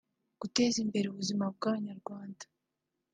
guteza imbere ubuzima bw’Abanyarwanda